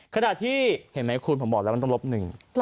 ขณะที่เห็นไหมคุณผมบอกแล้วมันต้องลบหนึ่ง